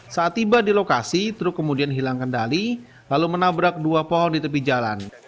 saat tiba di lokasi truk kemudian hilang kendali lalu menabrak dua pohon di tepi jalan